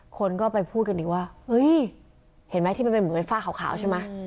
คนก็ไปพูดกันอีกว่าเฮ้ยเห็นไหมที่มันเป็นเหมือนเป็นฝ้าขาวใช่ไหม